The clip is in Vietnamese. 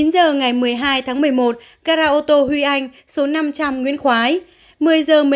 chín h ngày một mươi hai tháng một mươi một gara ô tô huy anh số năm trăm linh nguyễn khoái